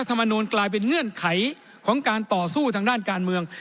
ธรรมนูลกลายเป็นเงื่อนไขของการต่อสู้ทางด้านการเมือง